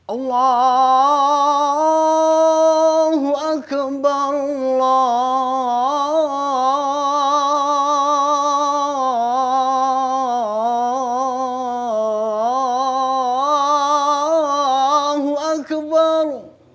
allahu akbar allahu akbar